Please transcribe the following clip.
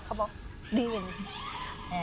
เขาบอกดีเหรอ